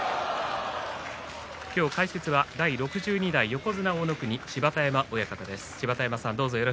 今日、解説は第６２代横綱大乃国芝田山親方です。